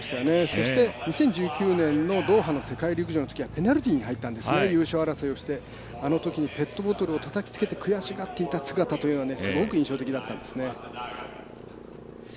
そして、２０１９年のドーハの世界陸上のときはペナルティーに入ったんですね優勝争いをして、あのときにペットボトルをたたきつけて悔しがっていた姿というのはすごく印象的だったんですね。